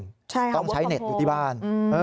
ใช่ครับวิวคำโทรต้องใช้เน็ตอยู่ที่บ้าน